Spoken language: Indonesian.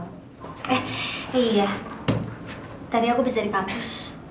eh iya tadi aku habis dari kampus